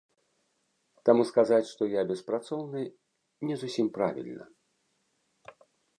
Таму сказаць, што я беспрацоўны, не зусім правільна.